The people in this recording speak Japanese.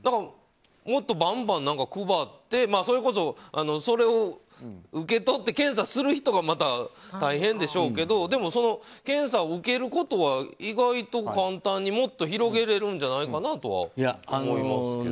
もっとバンバン配ってそれこそ、それを受け取って検査する人は大変でしょうけど検査を受けることは意外と簡単にもっと広げられるんじゃないかなとは思います。